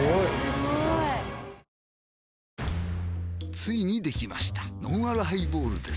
ついにできましたのんあるハイボールです